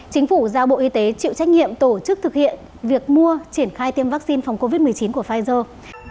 chính phủ giao bộ y tế chịu trách nhiệm tổ chức thực hiện việc mua triển khai tiêm vaccine phòng covid một mươi chín của pfizer